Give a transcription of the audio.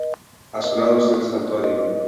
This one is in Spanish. A su lado está el Santuario.